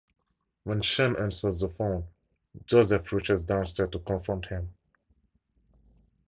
When Sean answers the phone, Joseph rushes downstairs to confront him.